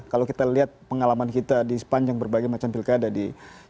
kalau kita lihat pengalaman kita di sepanjang berbagai macam pilkada di